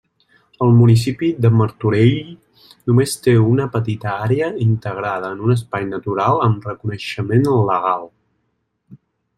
El municipi de Martorell només té una petita àrea integrada en un espai natural amb reconeixement legal.